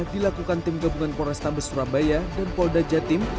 dilakukan tim gabungan polrestabes surabaya dan polda jatim